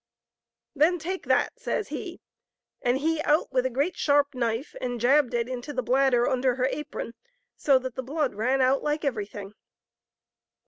" Then take that !" says he, and he out with a great sharp knife and jabbed it into the bladder under her apron, so that the blood ran out like everything.